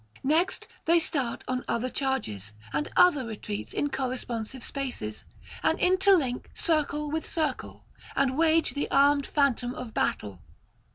Next they start on other charges and other retreats in corresponsive spaces, and interlink circle with circle, and wage the armed phantom of battle.